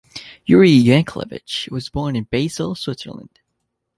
Yuri Yankelevich was born in Basel, Switzerland.